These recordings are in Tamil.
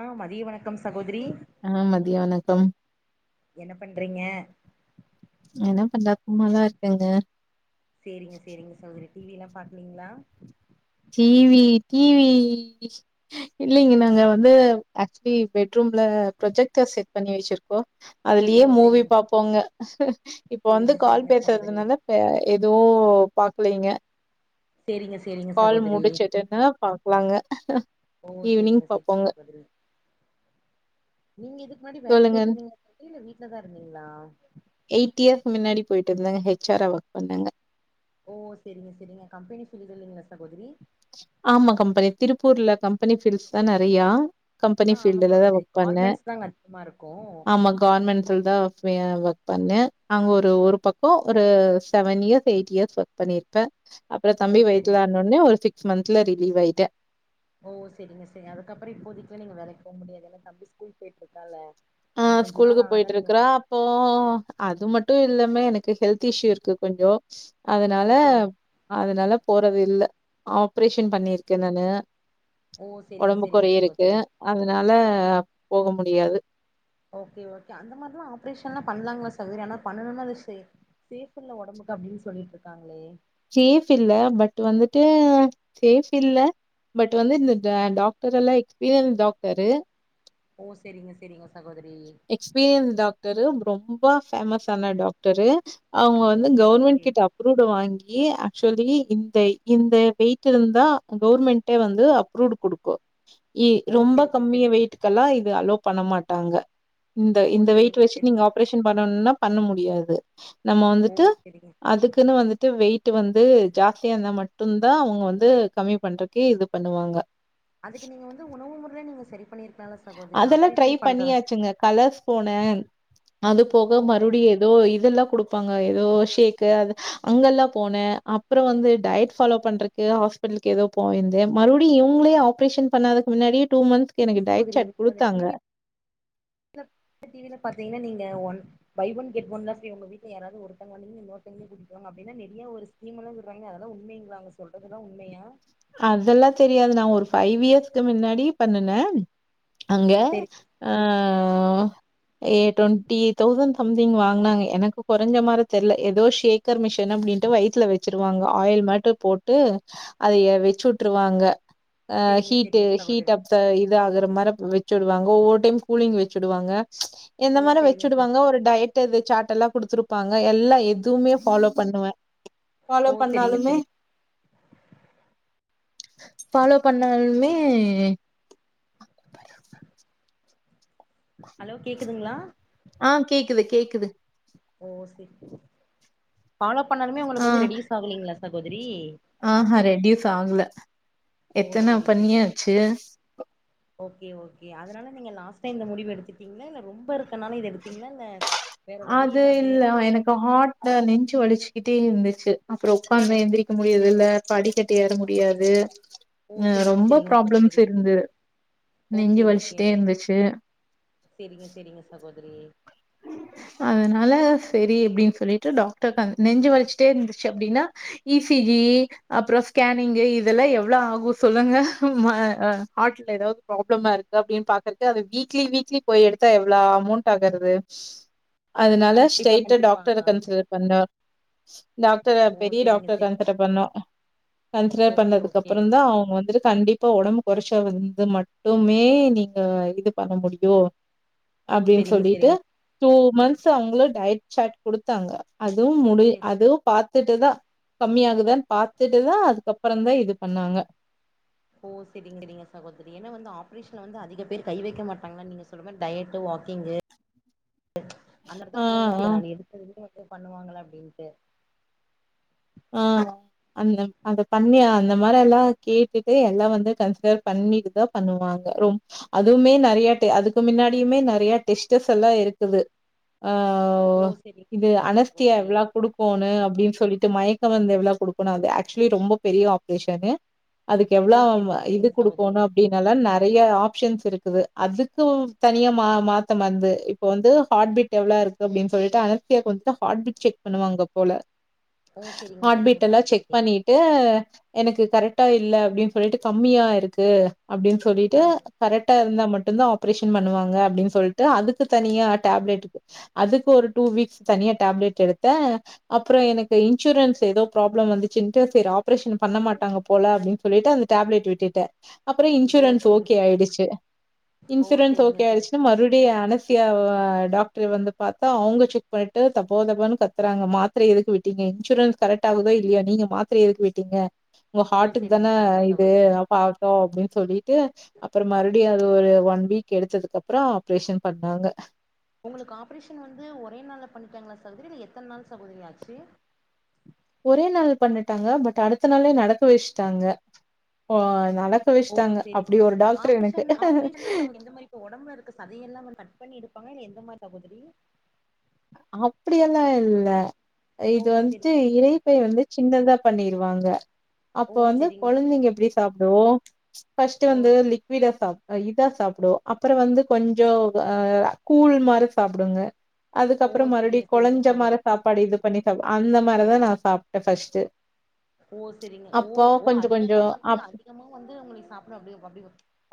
ஆ மதிய வணக்கம் சகோதிரி ஆ மதிய வணக்கம் என்ன பண்றீங்க என்ன பண்ற சும்மாதா இருக்கேங்க சேரிங்க சேரிங்க சகோதிரி டிவி எல்லா பாக்கலீங்களா டிவி டிவி இல்லைங்க நாங்க வந்து ஆக்சுவலி பெட்ரூம்ல ப்ரொஜெக்டர் செட் பண்ணி வச்சிருக்கோ அதுலயே ஓ மூவி சேரிங்க பாப்போங்க இப்ப வந்து சேரிங்க கால் சேரிங்க சகோதரி பேசுறதுனால இப்ப எதுவு பாக்கலைங்க செரிங்க சா கால் மூடிச்சட்டுன்னா பாக்கலாங்க ஓ ஈவினிங் சேரிங்க சேரிங்க பாப்போங்க சகோதரி நீங்க இதுக்கு முன்னாடி வேலைக்கு சொல்லுங்க போயிட்ருந்தீங்களா இல்ல வீட்லதா இருந்தீங்களா எயிட் இயர்க்கு முன்னாடி போயிட்டு இருந்தங்க ஹச் ஆரா ஒர்க பண்ணங்க ஓ செரிங்க செரிங்க கம்பெனி ஃபீல்ட் இல்லைங்களா சகோதரி ஆமா கம்பெனி திருப்பூர்ல கம்பெனி ஃபீல்ட்ஸ் தா நறையா கம்பெனி ஆ ஆமா ஃபீல்டுல தா சகோதரி ஒர்க் பண்ணே கார்மெண்ட்ஸ் தாங்க அதிகமா இருக்கு ஆமா கவர்மெண்ட்சில் தா ஒர்க் பண்ணே அங்க ஒரு பக்கோ ஒரு seven years eight years work பண்ணிரு ப்பே அப்புற ஓ தம்பி சேரிங்க வயித்துல ஆனோனே ஒரு சிக்ஸ் மந்த்ல ரிலீவ் ஆயிட்டே ஓ செரிங்க செரி அதுக்கப்புற இப்போதைக்கி நீங்க வேலைக்கு போக முடியாது ஏன்னா தம்பி ஸ்கூல் போயிட்டு இருக்கால ஆ ஸ்கூலுக்கு போயிட்டு இருக்குறா இப்போ அது மட்டு இல்லாம எனக்கு ஹெல்த் இஷ்யூ இருக்கு கொஞ்சோ ஓ அதனால சேரிங்க அதனால போறது இல்ல ஆப்ரேஷன் பண்ணியிருக்கேன் நானு ஓ சேரிங்க உடம்பு சேரிங்க குறை இருக்கு சகோதரி அதனால போக முடியாது ஓகே ஓகே அந்த மாரிலா ஆப்ரேஷன்லா பண்ணலாங்க சகோதரி ஆனா பண்ணணுனா இது செ சேஃப் இல்ல உடம்புக்கு அப்படின்னு சொல்லிட்டுருக்காங்களே சேஃப் இல்ல பட் வந்துட்டு சேஃப் இல்ல பட் வந்து இந்த டாக்டர் எல்லா எக்ஸ்பீரியன்ஸ் டாக்டரு ஓ செரிங்க செரிங்க சகோதரி எக்ஸ்பீரின்தா டரு ரொம்ப ஃபேமஸ் ஆன டாக்டரு அவுங்க வந்து ஓகே கவர்மெண்ட் ஓகே கிட்ட அப்ரூவ்ட் வாங்கி லி ஆக்சுவலி இந்த இந்த வெயிட் இருந்தா கவர்மெண்டே வந்து அப்ரூவ்ட் குடுக்கு இ ஓ ரொம்ப செரிங்க கம்மிய செரிங்க வெயிட்டுக்கெல்லா இது அலோ பண்ண மாட்டாங்க இந்த ஓ இந்த வெயிட் செரிங்க வெச்சுட் செரி நீங்க ஆப்ரேஷன் பண்ணும்னா பண்ண முடியாது நம்ம ஓ வந்துட்டு செரிங்க அதுக்குன்னு வந்துட்டு வெயிட் டு வந்து ஜாஸ்தியா இருந்தா மட்டுந்தா அவங்க வந்து கம்மி பண்றக்கு இது பண்ணுவாங்க அதுக்கு நீங்க வந்து உணவு முறையில நீங்க சரி பண்ணிருக்கலால ஸ் அதெல்லா ட்ரை பண்ணியாச்சுங்க கலர்ஸ் போனே அது போக ஓ மறுபடி ஏதோ இதெல்லா குடுப்பாங்க ஏதோ ஷேக்கு அது அங்கெல்லா போனே அப் அப்றோ வந்து டயட் ஃபாலோ பண்றக்கு ஹாஸ்பிட்டலுக் ஏதோ போயிருந்தே மறுபடி இவங்ளே ஆப்ரேஷன் பண்ணதுக்கு முன்னாடியே மந்த்ஸ்க்கு எப்டி எனக்கு டயட் சகோதரி சார்ட் [inaudible] டி குடுத்தாங்க. வி ல டி வியில பாத்தீங்கன்னா நீங்க ஒன் பை ஒன் கெட் ஒன்னா செரி உங்க வீட்ல யாராவது ஒருத்தங்க வந்தீங்கன்னா இன்னொருத்தவங்களயு கூட்டிட்டு வாங்க அப்டின்னா நெறைய ஒரு நீங்களு [unintelligible] அதெல்லா உண்மைங்ளா அவுங்க சொல்றதெல்லா உண்மையா அதெல்லா தெரியாது நா ஒரு ஃபைவ் இயர்ஸ்கு மின்னாடி பண்ணுனே அங்க செரி அ ஏ டொண்டி தௌசண்ட் சம்திங் வாங்குனாங்க எனக்கு கொறைஞ்ச மாரி தெர்ல ஏதோ ஷேக்கர் மிஷன் அப்படின்டு வயித்துல வச்சு ருவாங்கா ஆயில் மட்டு போட்டு அதைய வச்சு வுட்டுருவாங்க அ செரிங்க ஹீட்டு செரிங்க சகோதரி ஹீட் அப் ப இது ஆகுற மாரி அப்ப வச்சிடுவாங்க ஒவ்வொரு டைம் கூலிங்கு வச்சிடுவாங்க இந்த ஓ மாரி செரிங்க செரி வச்சுடுவாங்க ஒரு டயட் டு சார்ட்டு எல்லா குடுத்துருப்பாங்க எல்லா எதுவுமே ஃபாலோ பண்ணுவே ஃபாலோ ஓ செரிங்க பண்ணாலுமே செரிங்க ஃபாலோ பண்ணாலுமே ஹலோ கேக்குதுங்ளா ஆ கேக்குது கேக்குது ஓ சேரி ஃபாலோ பண்ணாலுமே ஆ உங்களுக்கு வந்து ரெடியூஸ் ஆகலைங்ளா சகோதரி ஆஹா ரெடியூஸ் ஆகல ஓ எத்தன செரி செரி பண்ணியாச்சு ஓகே ஓகே அதனால நீங்க லாஸ்ட் டைம் இந்த முடிவு எடுத்துட்டீங்ளா இல்ல ரொம்ப இருக்கனால இது எடுத்தீங்ளா இல்ல வேற வழி அது அப்டிங்கற இல்ல எனக்கு ஹாட்ல நெஞ்சு வலிச்சு கிட்டே இருந்துச்சு அப்றோ ஓ உக்காந்தா எந்திரிக்க முடியறது இல்ல படிக்கட்டு ஏற முடியாது ஓ அ செரிங்க ரொம்ப செரிங்க ப்ராப்ளம்ஸ் சகோதரி இருந்து நெஞ்சு ஓகே ஓகே வலிச்ட்டே இருந்துச்சு செரிங்க செரிங்க சகோதரி அதனால செரி அப்டின் சொல்லிட்டு டாக்டர்ட நெஞ்சு வலிச்ட்டே இருந்துச்சு அப்டின்னா ஈ சி ஜி அப்றோ ஸ்கேனிங்கு இதெல்லா எவ்ளோ ஆகு சொல்லுங்க ம ஹ ஹார்ட்ல ஏதோ ப்ராப்ளமா இருக்கு அப்டின் பாக்குறக்கு அது வீக்லி வீக்லி போயி எடுத்தா எவ்ளோ அமௌண்டட் ஆகுறது அதனால கண்டிப்பா ஸ்ட்ரைட்டா கண்டிப்பா டாக்டர கன்சிடர் பண்ண டாக்டர ஓ பெரிய செரிங்க டாக்டர செரி கன்சிடர் பண்ணோ கன்சிடர் ஓகே பண்ணதுக்கு ஓகே அப்புறந்தா அவுங்க வந்துட்டு கண்டிப் ப உடம்பு குறைச்சா வந்து மட்டுமே நீங்க இது பண்ண முடியு ஓ அப்டின் செரிங்க சொல்லிட்டு செரிங்க டூ மந்த்ஸ் அவுங்களே டயட் சாட் குடுத்தாங்க அதுவு முடி செ அது பாத் துட்டுதா கம்மியா ஆகுதான் பாத்துட்டுதா அதுக்கப்றந்தா இது பண்ணாங்க ஓ சேரிங்க சேரிங்க சகோதரி ஏனா வந்து ஆப்ரேஷன வந்து அதிக பேர் கை வைக்க மாட்டாங்கனா நீங்க சொன்ன மாரி டயட்டு வாக்கிங்கு அந்த ஆ ஆ எடத்த [inaudible] பண்ணுவாங்களா அப்டின்ட்டு ஆ அந்த அத பண்ணி அந்த மாரி எல்லா கேட்டுட்டு எல்லா வந்து கன்சிடர் பண்ணிட்டுதா பண்ணுவாங்க ரொம் அதுவுமே நெறைய டெ அதுக்கு மின்னாடியுமே நெறைய டெஸ்ட்டஸ் எல்லா இருக்குது ஆ ஓ வு செரிங்க இது செரிங்க அனஸ்தியா சகோதரி எவ்ளா குடுக் கோனு அப்டின்னு சொல்லிட்டு மயக்க மருந்து எவ்ளோ கொடுக்கணு அது ஆக்சுவலி ரொம்ப பெரிய ஆப்ரஷன்னு அதுக்கு ஓ எவ்ளோ செரிங்க இது செரிங்க குடுக்கணு சகோதரி அப்டின்னு அதெல்லா நிறைய ஆப்ஷன்ஸ் இருக்குது அதுக்கு தனியா மாத்து மருந்து இப் இப்போ வந்து ஹார்ட்பீட் எவ்ளோ இருக்குன்னு சொல்லிட்டு அனஸ்தியாக்கு வந்துட்டு ஹார்ட்பீட் செக் பண்ணுவாங்க போல ஓ செரிங்க செரிங்க ஹாட்ர்பீட்டல்லா சகோதரி செக் பண்ணி ட்டு எனக்கு கரெக்டா இல்ல அப்டின்னு சொல்லிட்டு கம்மியா இருக்கு அப்டின் சொல்லிட்டு ஆ கரெக்டா இருந்தா மட்டுந்தா ஆப்ரேஷன் பண்ணுவாங்க அப்டின்னு சொல்லிட்டு அதுக்கு தனியா டேப்லெட்டு அதுக்கு ஒரு டூ வீக்ஸ் தனியா டேப்லெட் எடுத்தே அப்றோ எனக்கு இன்சூரன்ஸ் ஏதோ ப்ராப்ளோ வந்துச்சுன்ட்டு சேரி ஆப்ரேஷன் பண்ண மாட்டாங்க போல அப்டின்னு சொல்லிட்டு அந்த டேப்லெட் விட்டுட்டே அப்றோ ஓ இன்சூரன்ஸ் செரிங்க ஓகே ஆயிடுச்சு ஓ இன்சூரன்ஸ் செரிங்க ஓகே செரி ஆயிடுச்சுன்னா மறுபடியு அனஸ் தீஸியா டாக்டர் வந்து பாத்தா அவங்க செக் பண்ணிட்டு தபோ தபன்னு கத்துறாங்க மாத்திரை எதுக்கு விட்டீங்க இன்சூரன்ஸ் கரெக்ட் ஆகுதோ இல்லையோ நீங்க மாத்திர எதுக்கு விட்டீங்க உங்க ஓ ஹார்ட்டுக்கு செரிங்க தா செரிங்க இது சகோதரி அப்ப தோ அப்டின்னு சொல்லிட்டு அப்றோ மறுபடியு அது ஒரு ஒன் வீக் எடுத்ததுக்கு அப்றோ ஆப்ரேஷன் பண்ணாங்க உங்களுக்கு ஆப்ரேஷன் வந்து ஒரே நாள்ல பண்ணிட்டாங்களா சகோதரி இல்ல எத்தன நாள் சகோதரி ஆச்சு ஒரே நாள் பண்ணிட்டாங்க பட் அடுத்த நாளே நடக்க வச்சுட்டாங்க இப்ப ஓ வச்சிட்டாங்க செரி அப்டி ஒரு டாக்டர் எனக்கு ஆப்ரேஷன் ஆப்ரேஷன்னா சகோதரி எந்த மாரி இப்ப உடம்புல இருக்க சதை எல்லா கட் பண்ணி எடுப்பாங்களா இல்ல எந்த மாதிரி சகோதிரி அப்டி எல்லா இல்ல ஓ இது வந்துட்டு செரிங்க செரிங்க இறைப்பை வந்து சின்னதா பண்ணிருவாங்க ஓ அப்போ வந்து செரிங்க கொழந்தைங்க எப்டி சாப்டு ஃபர்ஸ்ட் ஓ வந்து லிக்வீடா சாப் இதா சாப்டு அப்றோ வந்து கொஞ்சோ கூழ் மாரி சாப்பிடுங்க அதுக் ஓ அப்றோ மறுபடி செரிங்க செரிங்க குழஞ்ச சகோதரி மாறி சாப்பாடு இது பண்ணி சாப் அந்த மாதிரிதா நா சாப்ட்டே ஃபஸ்ட்டு ஓ சரிங்க ஓ ஓ அதிகமா வந்து அப் அதிகமா வந்து உங்களுக்கு சாப்பிட அப்டி அப்டி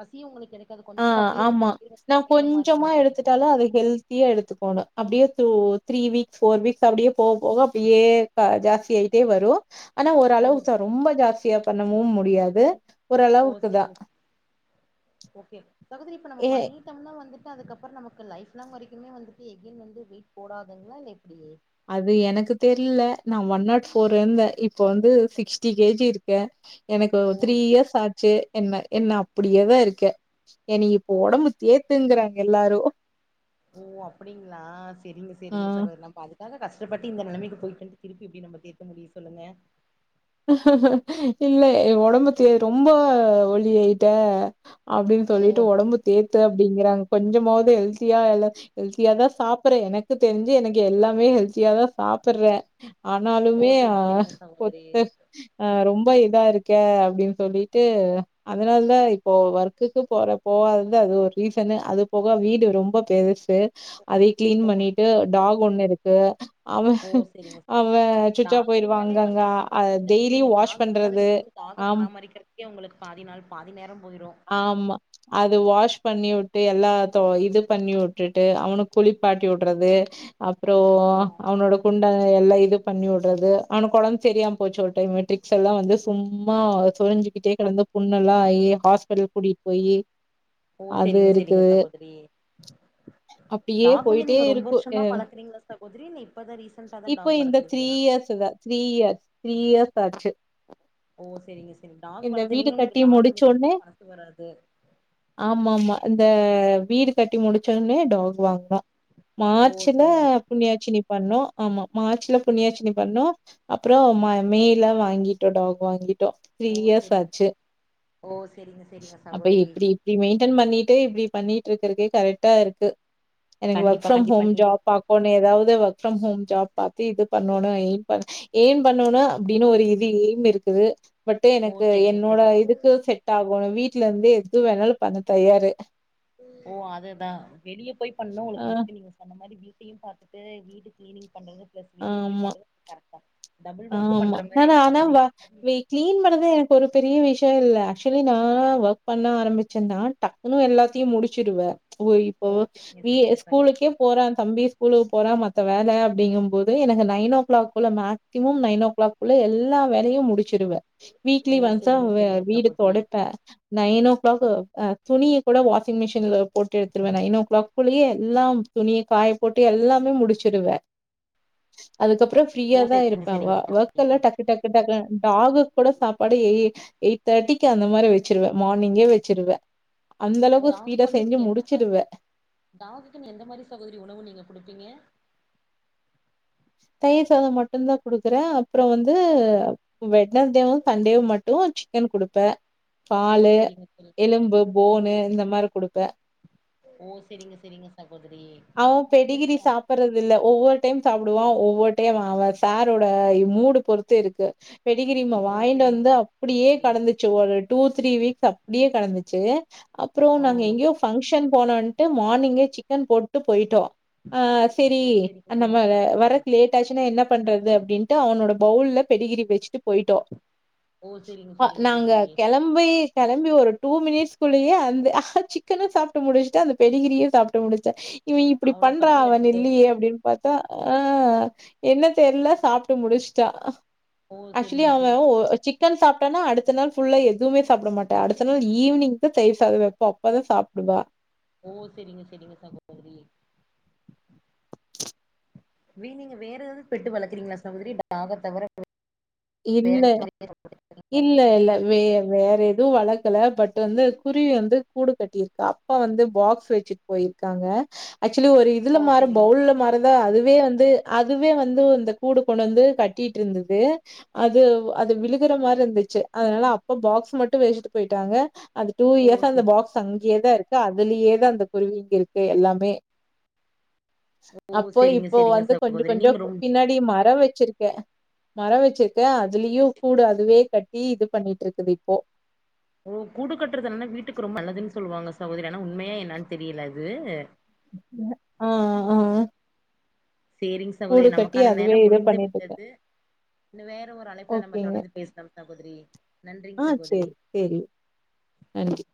பசியு உங்களுக்கு எடுக்காது ஆ கொஞ்சோ சாப்டலயு ஆமா நா அதிக நேர மாதிரி கொஞ்சமா வசரியது எடுத்துட்டாலு அது ஹெல் தீயா எடுத்துக்கோணு அப்டியே two three weeks four weeks அப்டியே போக போக அப்டியே பா ஜாஸ்தி ஆயிட்டே வரு ஆனா ஓ ஓரளவுக்கு தா ரொம்ப ஜாஸ்தியா பண்ணவு முடியாது ஓ ஓரளவுக்கு தா சரிங்க ஓகே சகோதரி இப்ப நம்ம ஏ பண்ணிட் விட்டம்னா வந்துட்டு அதுக்கப்றோ நமக்கு லைஃப் லாங் வரைக்குமே வந்துட்டு எகைன் வந்து வெயிட் போடாதுங்களா இல்ல எப்டியே அது எனக்கு தெரியல நா ஒன் நாட் ஃபோர் இருந்தே இப்ப வந்து சிக்ஸ்டி கேஜி இருக்கே எனக்கு ஓ த்ரீ இயர்ஸ் ஆச்சு என்ன என்ன அப்டியேதா இருக்கே என்னிக் இப்ப ஓ ஓடம்பு ஏத்துங்றாங்க எல்லாரு ஓ அப்டிங்களா செரிங்க ஆ செரிங்க சகோதரி நா பாத் அதாக கஷ்டப்பட்டு இந்த நிலைமைக்கு போய்கண்ட்டு திருப்பி இப்படி நம்மளுக் இருக்க முடியு சொல்லுங்க இல்லை உடம்பு தேறு ரொம்ப ஒல்லி ஆயிட்டே அப்டின்னு ஓ சொல்லிட்டு உடம்பு தேத்து அப்படிங்கறாங்க கொஞ்சமாவது ஹெல்தியா எல்லா ஹெல்த்தியா தா சாப்பட்றே எனக்கு தெரிஞ்சு எனக்கு எல்லாமே ஹெல்த்தியா தா சாப்பட்றே ஓ ஆனாலுமே ஆ செரி செரிங்க சகோதரி ஆ ரொம்ப இதா இருக்கே அப்டின்னு சொல்லிட்டு அதனால தா இப்போ ஒர்க்குக்கு போற போவாதது அது ஒரு ரீசன்னு அது போக வீடு ரொம்ப பெருசு அதயு கிளீன் ஓ பண்ணிட்டு டாக் ஒண்ணு இருக்கு அவன் ஓ செரிங்க அவன் சுச்சா போயிருவா டாக்ருனாலே வந்து அங்கங்கா இல்ல சகோதரி நீங்க டாக் இருந்தாலே நீங்க வந்து டாக ஆம் பராமரிக்கிறதுக்கே உங்களுக்கு பாதி நாள் பாதி நேரோ போயிரு ஆமா அது வாஷ் பண்ணி உட்டு எல்லா இது பண்ணி உட்டுட்டு அவனு குளிப்பாட் டி உட்றது அப்புறோ ஓ அவனோட குண்ட எல்லா இது பண்ணி உட்றது அவனுக்கு ஒடம்பு சரியாம்ம போச்சு ஒரு டைம் ட்ரிக்ஸல்லா வந்து சும்மா சோரிஞ்சி கிட்டே கிடந்த புண்ணல்லா ஆகி ஹாஸ்பிடல் கூட்டிகிட்டு போயி ஓ அது செரிங்க இருக்கு. செரிங்க சகோதரி அப்படியே டாக் வந்து போயிட்டே நீங்க ரொம்ப இருக்கு அ வருஷமா வளக்குறீங்களா சகோதரி இல்ல இப்பதா ரீசெண்டா தா இப்போ டாக் இந்த த்ரீ வளக்குறீங்களா இயர்ஸ் த்துக்கா த்ரீ இயர்ஸ் த்ரீ இயர்ஸ் ஆச்சு ஓ சேரிங்க சேரிங்க டாக் இந்த வளத்து வீடு நீங்க கட்டி உங்களுக்கு டாக முடிச்ச விட்றதுக்கு உடனே மனசு வராது ஆமாமா இந்த வீடு கட்டி முடிச்சோனே டாக் வாங்னோ ஓ மார்ச்ல செரிங்க புண்ணியாட்சினி பண்ணோ ஆமா மார்ச்ல புண்ணியாட்சினி பண்ணோ அப்புறோ மேயல வாங்கிட்டோ டாக் வாங்கிட்டோ த்ரீ ஓ இயர்ஸ் செரிங்க ஆச்சு ஓ செரிங்க செரிங்க அப்ப சகோதரி எப்படி இத மெயின்டென் பண்ணிட்டு இப்டி பண்ணிட்டு இருக்கறதே கரெட்டாருக்கு எனக்கு ஒர்க கண்டிப்பா ஃப்ரம் கண்டிப்பா ஹோம் நீ ஜாப் பாக் போணு ஏதாது ஒர்க் ஃப்ரம் ஹோம் ஜாப் பாத்து இது பண்ணோனு எயிம் பண் எயிம் பண்ணனு அப்டின்னு ஒரு இது எயிம் இருக்குது பட்டு ஓ எனக்கு செரிங்க என்னோட செரிங்க இதுக்கு செட் டாகுனு வீட்லந்தே ஓ அதுதா வெளிய போய் பண்ணு ஆ உங்களுக்கு ரிஸ்க்கு நீங்க சொன்ன மாரி வீட் டயு பாத்துட்டு வீடு கிளீனிங் பண்றது ப்ளஸ் வெளிய போய் ஆமா. பண்றது கரெட்டா டபுள் ஒர்க் ஆமா. பண்ற மாரி ஆனா ஆயிற ஆனா கூடாதுணே வ வி கிளீன் பண்றது எனக்கு ஒரு பெரிய விஷ்யோ இல்ல ஆக்சுவலி நாலா ஒர்க் பண்ண ஆரம்பிச்சேனா டக் ன்னு எல்லாத்தையு முடிச்சுருவே ஒ இப்போ ஓ செரிங்க வி ஏ செரிங்க சகோதரி ஸ்கூலுக்கே போற தம்பி ஸ்கூலுக்கு போற மத்த வேல அப்டிங்கும் போது எனக்கு நயின் ஓ கிளாக் குள்ள மேக் சிமம் நைன் ஓ கிளாக் குள்ள எல்லா வேலையு முடிச்சுடுவே வீக்லி ஓ ஒன்சா செரிங்க செரிங்க வீடு சகோதரி தொடப்பே நையன் நோ ஓ கிளாக் அ துணிய கூட வாஷிங் மிஷின்ல போட்டு எடுத்துடுவே நைன் நோ ஓ கிளாக் குள்ளயே எல்லா துணிய காய போட்டு எல்லாமே முடிச்சுருவே அதுக்கப்றோ ஃப்ரீயா ஓ தா செரிங்க இருப்பே ஒ செரிங்க ஒர்க்கெல்லா டக்கு டக்கு டக்கு டாகுக்கூட சாப்பாடு எய் எயிட் தேட்டிக்கு அந்த மாரி வச்சிருவே மார்னிங்கே வச்சிருவே அந்த ஓ அளவுக்கு ஸ்பீடா டாகுக்கு வந்து செஞ்சு நீங்க எந்த மாரி முடிச்சுடுவே டாகுக்கு எந்த மாரி சகேதரி உணவு நீங்க குடுப்பீங்க தயிர் சாதோ மட்டும்தா குடுக்குறே அப்றோ வந்து வெட்னஸ் டேவும் சண்டேவு மட்டு சிக்கன் குடுப்பே ஓ பாலு செரிங்க செரி எலும்பு போனு இந்த மாரி குடுப்பே ஓ செரிங்க செரிங்க சகோதரி ஆவ பெடிகிரி சாப் பறதுல்ல ஒவ்வொரு டைம் சாப்டுவா ஒவ்வொரு டைம் அவே அவ சாரோட மூடு பொறுத் து இருக்கு பெடிகிரி மா ஓ வாயிண்டு செரிங்க வந்து செரிங்க அப்டியே சகோதரி கடந்துச் சு ஒரு டூ த்ரீ வீக் அப்டியே கடந்துச்சு அப்றோ ஓ நாங்க எங்கேயோ ஃபங்க்ஷன் போனோன்ட்டு மார்னிங்கே சிக்கன் போட்டுட்டு போயிட்டோ ஆ செரி ஓ செரிங்க நம்ம செரிங்க சகோதரி வரது லேட் டாச்சின்னா என்ன பண்றது அப்டின்னுட்டு அவனோட பவுல்ல பெடிகிரி வெச்சுட்டு போய்டோ ஓ செரிங்க அ செரிங்க நாங்க சகோதரி கெள ம்பி கெளம்பி ஒரு டூ மினிட்ஸ் குள்ளேயே அந்த சிக்கனு சாப்ட்டு முடிச்சுட்டா அந்த பெடிகிரியு சாப்டு முடிச்சா இவ இப்படி அவ்ளோ பண்றா பசியா அவன் எடுத்துட்டு இல்லீயே அப்டின் பாத்தா ஆ என்ன தெர்ல சாப்ட்டு முடிஸ்ட்டா ஓ ஆக்சுலி செரிங்க அவுங்க செரிங்க ஒ சிக் கன் சாப்டனா அடுத்த நாள் ஃபுல்லா எதுவுமே சாப்பிட மாட்ட அடுத்த நாள் ஈவினிங்தா தயிர் சாத வெப்ப அப்பதா சாப்டுவா ஓ செரிங்க செரிங்க சகோதரி வே நீங்க வேற எதாது பெட்டு வளக்குறீங்களா சகோதரி டாக தவிர வேற இல்ல என்ன மாரி இல்ல இல்ல வே வேற எதுவு வளக்கல பட்டு வந்து குருவி வந்து கூடு கட்டியிருக்கா அப்பா வந்து பாக்ஸ் வெச்சுட் போயிருக்காங்க ஆக்சுலி ஒரு இதுல ஓ மார் செரிங்க பவுல்ல மார் அதா அதுவே வந்து அதுவே வந்து இந்த கூடு கொண்டு வந்து கட்டிட்டுருந்துது அது அது விழுகிற மார் இந்துச்சு அதனால அப்பா பாக்ஸ் மட்டு வெச்சிட்டு போய்ட்டாங்க அது டூ ஓ இயர்ஸா அந்த செரி பாக்ஸ் அங்யே தா இருக்கு அதுலியேதா அந்த குருவிங்க இருக்கு எல்லாமே ஓ அப்போ செரிங்க இப்போ செரிங்க வந்து கொஞ்சக் சகோதரி கொஞ்சோ நீங்க ரொம் பின்னாடி மர வெச்சுருக்கே மர வெச்சுரு க்கே அதுலியு கூடு அதுவே கட்டி இது பண்ணிட்டுருக்குது இப்போ ஓ கூடு கட்டுறதுன்னா வீட்டுக்கு ரொம்ப நல்லதுன் சொல்லுவாங்க சகோதரி ஆனா உண்மையா என்னன் தெரியல அது [unintelligible] ஆ ஆ ஆ ஆ சேரிங் சகோதரி நமக்கான அதுவே நேரம் இது முடிந்து பண்ணிட்டுருக்கு விட்டது இன்னு வேற ஒரு அழைப்புல நம்ம ஓகேங்க தொடர்ந்து பேஸ்லாம் சகோதரி ஆ நன்றிங் சகோதரி சேரி சேரி நன்றி